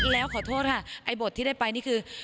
แล้วขอโทษค่ะไอ้บทที่ได้ไปนี่คือ